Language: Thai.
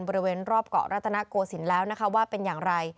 บริเวณรอบเกาะรัตนโกศิลป์แล้วนะคะว่าเป็นอย่างไร